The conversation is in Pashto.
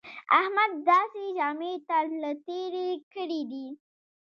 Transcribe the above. احمد داسې ژامې تر له تېرې کړې دي